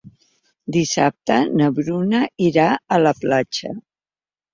Dissabte na Bruna irà a la platja.